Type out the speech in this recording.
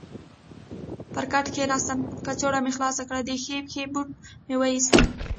پر کټ کېناستم، کڅوړه مې خلاصه کړل، د ښۍ پښې بوټ مې وایست.